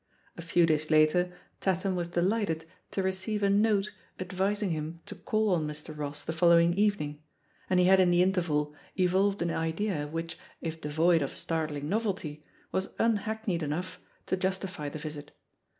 A few days later, Tatham was de lighted to receive a note advising him to call on •Mr. Ross the following evening, and he had in the interval evolved an idea which, if devoid of startling novelty, was unhackneyed enough to justify the visit.